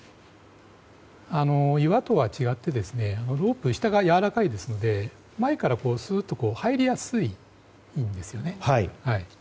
岩とは違って、下がやわらかいですので、前からすっと入りやすいんですね。